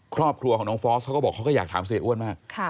ครอบครัวของน้องฟอสเขาก็บอกเขาก็อยากถามเสียอ้วนมาก